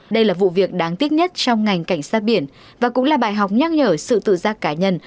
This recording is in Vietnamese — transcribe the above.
đây là vụ việc đáng tiếc nhất trong ngành cảnh sát biển và cũng là bài học nhắc nhở sự tự giác cá nhân